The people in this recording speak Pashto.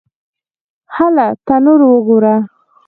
_هله! تنور وګوره!